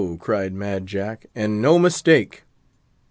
cried Mad Jack, "and no mistake!"